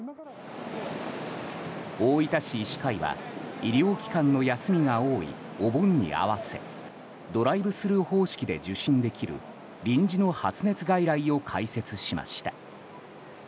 大分市医師会は、医療機関の休みが多いお盆に合わせドライブスルー方式で受診できる臨時の発熱外来を開設しました。